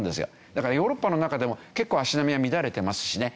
だからヨーロッパの中でも結構足並みが乱れていますしね。